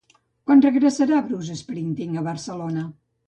Quan regressarà Bruce Springsteen a Barcelona?